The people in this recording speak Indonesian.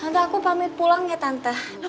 tante aku pamit pulang ya tante